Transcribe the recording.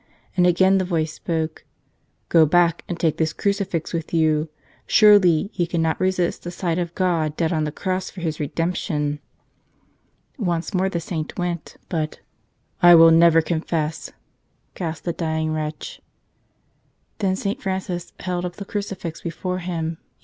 And again the voice spoke, 'Go back and take this crucifix with you. Surely, he cannot resist the sight of God dead on the cross for his redemption !' Once more the Saint went. 65 "Tell Us A nother /" 'j ' But 'I will never confess!' gasped the dying wretch. Then St. Francis held up the crucifix before him.